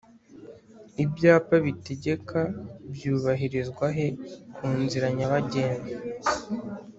Ibyapa bitegeka by’ubahirizwahe kunzira nyabagendwa